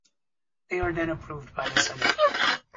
They are then approved by the Senate.